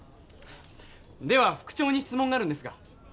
では副長に質問があるんですが。